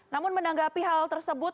namun menanggapi hal tersebut